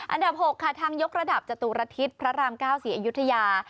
อันดับ๖ค่ะทางยกระดับจตุรทิศพระราม๙ศรีอยุธยา